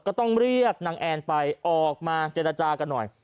ก็ต้องเรียกนางแอนไปออกมาเจรจากันหน่อย